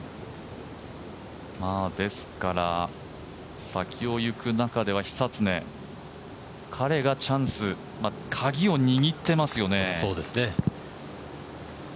ですから、先を行く中では久常彼がチャンス、カギを握っていますよね。